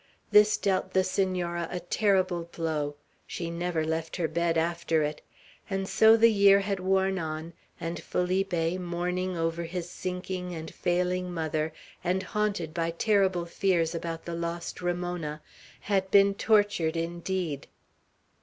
This dealt the Senora a terrible blow. She never left her bed after it. And so the year had worn on; and Felipe, mourning over his sinking and failing mother, and haunted by terrible fears about the lost Ramona, had been tortured indeed.